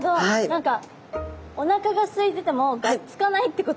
何かおなかがすいててもがっつかないってことですね。